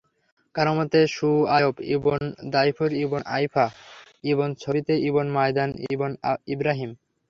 কারও মতে, শুআয়ব ইবন দায়ফূর ইবন আয়ফা ইবন ছাবিত ইবন মাদয়ান ইবন ইবরাহীম।